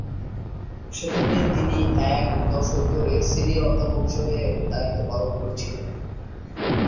সেখানে তিনি এক দশক ধরে সিনিয়র অধ্যাপক হিসাবে দায়িত্ব পালন করেছিলেন।